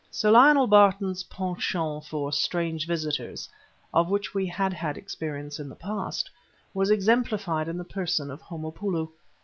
Sir Lionel Barton's penchant for strange visitors, of which we had had experience in the past, was exemplified in the person of Homopoulo.